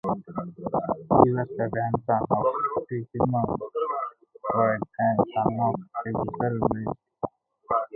He was a grandson of Philemon Wright, and son of Tiberius Wright.